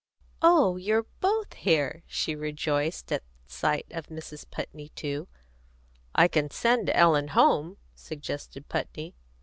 "Oh, you're both here!" she rejoiced, at sight of Mrs. Putney too. "I can send Ellen home," suggested Putney.